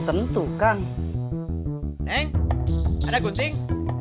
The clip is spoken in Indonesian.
tentu kang ada gunting